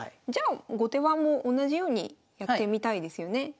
じゃあ後手番も同じようにやってみたいですよね。